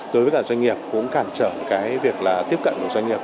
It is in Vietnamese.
đối với cả doanh nghiệp cũng cản trở cái việc là tiếp cận của doanh nghiệp